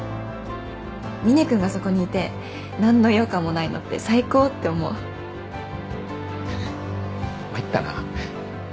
「みね君がそこにいてなんの違和感もないのって最高って思う」ははっ参ったな